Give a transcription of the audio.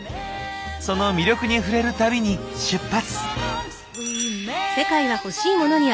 その魅力に触れる旅に出発！